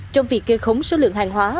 trong việc kê khống số lượng hàng hóa